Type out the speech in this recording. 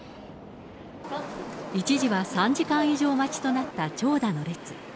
一時は３時間以上待ちとなった長蛇の列。